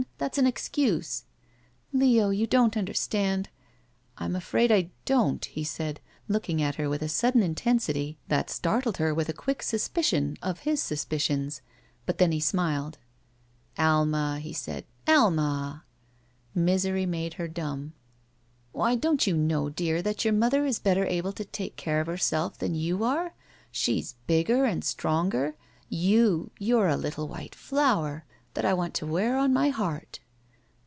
that's an excuse!" Leo — ^you don't imderstand." I'm afraid I — don't," he said, looking at her with a sudden intensity that startled her with a 4 43 44 ■s.i* SHE WALKS IN BEAUTY quick suspicion of his suspicions, but then he smiled. "Ahnar^hesaid, ''Ahna!" Misery made her dumb. *'Why, don't you know, dear, that your mother is better able to take care oi herself than 3rou arc? She's bigger and sti^jnger^ You ^you're a little white flower, that I want to wear ou my heart."